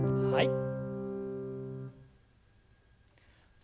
はい。